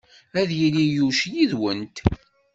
Ad yili Yuc yid-went.